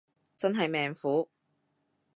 真係命苦